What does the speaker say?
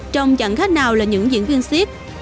trong chẳng khác nào là những diễn viên siết